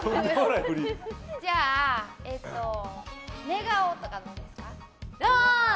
じゃあ、寝顔とかどうですか。